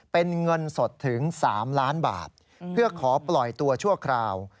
เป็นเงินสดถึง๓ล้านบาทเพื่อขอปล่อยตัวชั่วคราว